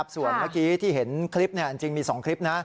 ส่วนเมื่อกี้ที่เห็นคลิปจริงมี๒คลิปนะ